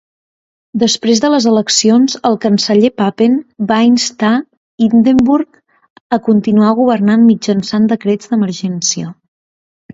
Després de les eleccions, el canceller Papen va instar Hindenburg a continuar governant mitjançant decrets d'emergència.